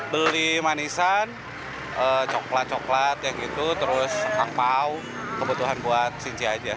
beli manisan coklat coklat kayak gitu terus angpao kebutuhan buat sinci aja